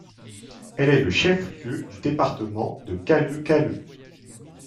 Elle est le chef-lieu du département de Caleu Caleu.